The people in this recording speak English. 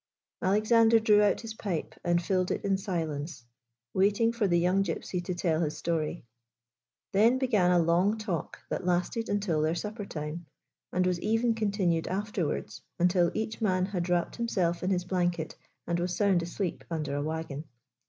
Alexander drew out his pipe and filled it in silence, waiting for the young Gypsy to tell his story. Then began a long talk that lasted until their supper time, and was even continued after wards until each man had wrapped himself in his blanket and was sound asleep under a wagon.